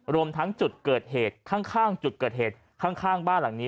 รวมทั้งจุดเกิดเหตุข้างจุดเกิดเหตุข้างบ้านหลังนี้